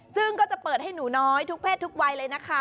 ซึ่งก็จะเปิดให้หนูน้อยทุกเพศทุกวัยเลยนะคะ